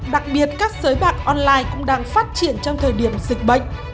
đặc biệt các sới bạc online cũng đang phát triển trong thời điểm dịch bệnh